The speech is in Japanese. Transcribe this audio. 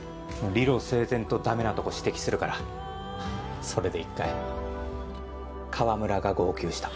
理路整然とダメなとこ指摘するからそれで１回河村が号泣した。